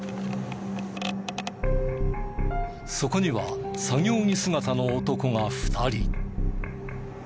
そこには作業着姿の男が２人。